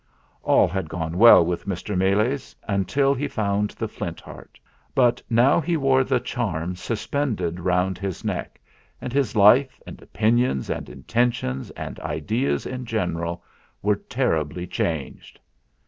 All had gone well with Mr. Meles until he found the Flint Heart; but now he wore the charm suspended round his neck, and his life, and opinions and intentions and ideas in gen eral were terribly changed.